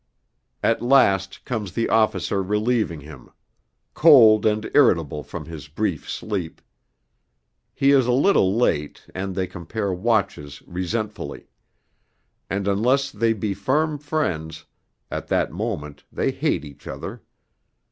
At last comes the officer relieving him; cold and irritable from his brief sleep. He is a little late, and they compare watches resentfully; and unless they be firm friends, at that moment they hate each other.